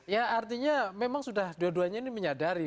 ya artinya memang sudah dua duanya ini menyadari